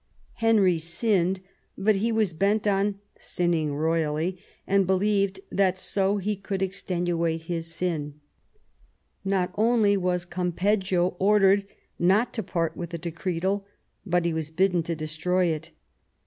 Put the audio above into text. Henry sinned, but he was bent on sinning royally, and believed that so he could extenuate his sin. Not only was Campeggio ordered not to part with the decretal, but he was bidden to destroy it.